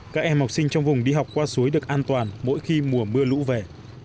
các em học sinh trong vùng đi học qua suối được an toàn mỗi khi mùa mưa lũ về